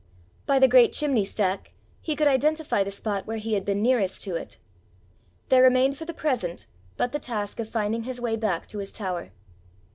By the great chimney stack he could identify the spot where he had been nearest to it! There remained for the present but the task of finding his way back to his tower.